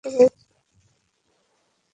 এই জ্ঞানলাভ হইলে সঙ্গে সঙ্গে আনন্দ আসিবে।